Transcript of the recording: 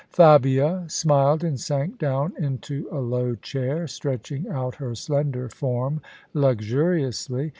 Fabia smiled and sank down into a low chair, stretching out her slender form luxuriously.